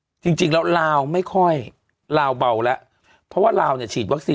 จริงจริงแล้วลาวไม่ค่อยลาวเบาแล้วเพราะว่าลาวเนี่ยฉีดวัคซีน